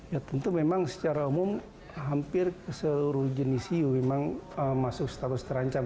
ya tentu memang secara umum hampir seluruh jenis hiu memang masuk status terancam